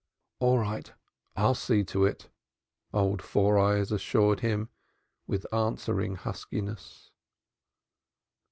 "All right. I'll see to it," old Four Eyes assured him with answering huskiness.